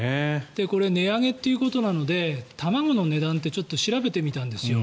これ、値上げということなので卵の値段ってちょっと調べてみたんですよ。